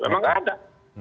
memang nggak ada